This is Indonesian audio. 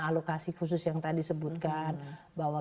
alokasi khusus yang tadi sebutkan bahwa